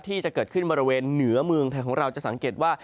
ที่จะเกิดขึ้นบริเวณเหนือเมืองไทยของเราจะสังเกตว่า